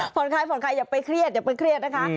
ผ่อนคลายอย่าไปเครียดนะคะ